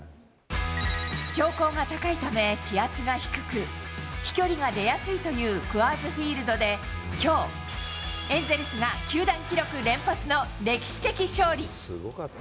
標高が高いため気圧が低く、飛距離が出やすいというクアーズ・フィールドで、きょう、エンゼルスが球団記録連発の歴史的勝利。